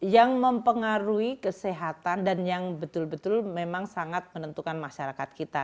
yang mempengaruhi kesehatan dan yang betul betul memang sangat menentukan masyarakat kita